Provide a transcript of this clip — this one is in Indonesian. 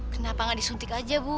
kenapa nggak disuntik aja bu